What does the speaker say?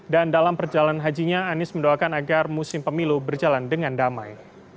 dan dalam perjalanan hajinya anies mendoakan agar musim pemilu berjalan dengan damai